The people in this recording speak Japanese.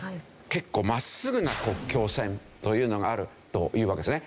結構真っすぐな国境線というのがあるというわけですね。